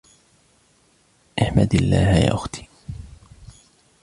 إحمدي الله يا آختي.